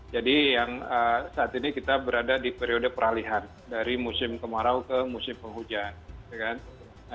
jadi saat ini kita berada di periode peralihan dari musim kemarau ke musim penghujan